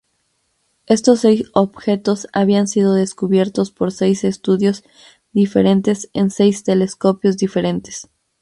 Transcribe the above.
Estos seis objetos habían sido descubiertos por seis estudios diferentes en seis telescopios diferentes.